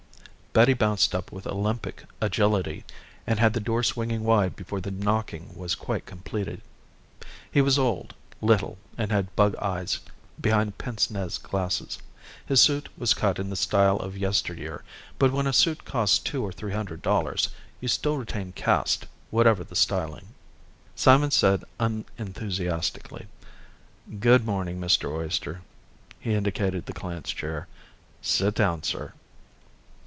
Betty bounced up with Olympic agility and had the door swinging wide before the knocking was quite completed. He was old, little and had bug eyes behind pince nez glasses. His suit was cut in the style of yesteryear but when a suit costs two or three hundred dollars you still retain caste whatever the styling. Simon said unenthusiastically, "Good morning, Mr. Oyster." He indicated the client's chair. "Sit down, sir."